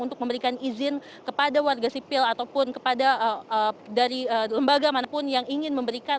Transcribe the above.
untuk memberikan izin kepada warga sipil ataupun kepada dari lembaga manapun yang ingin memberikan